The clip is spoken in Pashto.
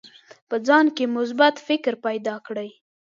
په ځان کې مثبت فکر پیدا کړئ.